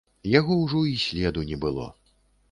Яго ўжо і следу не было.